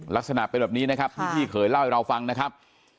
ลักษณะเป็นแบบนี้นะครับที่พี่เคยเล่าให้เราฟังนะครับ